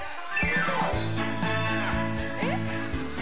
えっ？